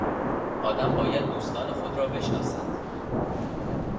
آدم باید دوستان خود را بشناسد.